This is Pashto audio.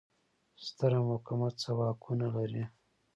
ستره محکمه څه واکونه لري؟